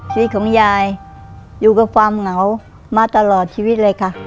ชีวิตของยายอยู่กับความเหงามาตลอดชีวิตเลยค่ะ